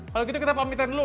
kalau gitu kita pamitan dulu